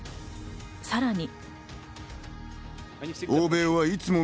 さらに。